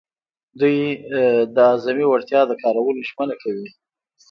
دوی د اعظمي وړتیا د کارولو ژمنه کوي.